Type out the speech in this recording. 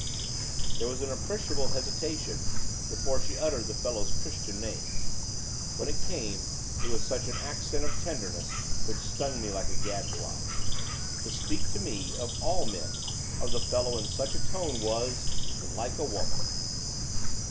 There was an appreciative hesitation before she uttered the fellow's Christian name, when it came it was with an accent of tenderness which stung me like a gadfly. To speak to me of all men, of the fellow in such a tone was like a woman.